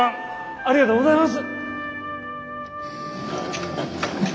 ありがとうございます！